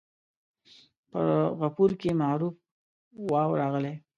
په غفور کې معروف واو راغلی.